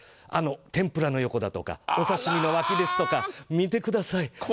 天ぷらの横だとかお刺身の脇ですとか見てください。